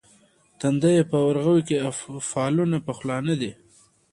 تندیه په اورغوي کې فالونه پخلا نه دي.